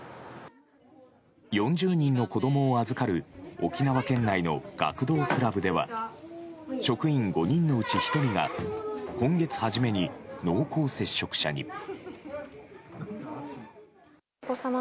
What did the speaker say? ４０人の子供を預かる沖縄県内の学童クラブでは職員５人のうち１人が今月初めに濃厚接触者に。